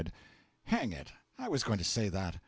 Hang it, I was going to say that!